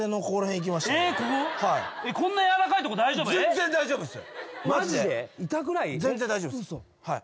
全然大丈夫っす。